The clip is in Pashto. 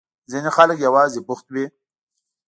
ځينې خلک يوازې بوخت وي.